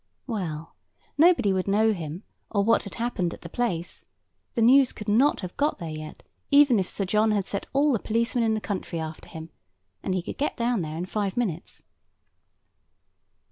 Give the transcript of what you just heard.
Well, nobody would know him, or what had happened at the Place. The news could not have got there yet, even if Sir John had set all the policemen in the county after him; and he could get down there in five minutes.